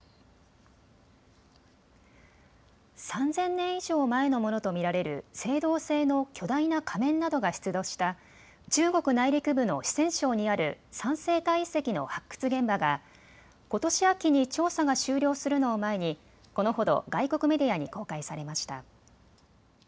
３０００年以上前のものと見られる青銅製の巨大な仮面などが出土した中国内陸部の四川省にある三星堆遺跡の発掘現場がことし秋に調査が終了するのを前にこのほど外国メディアに公開されました。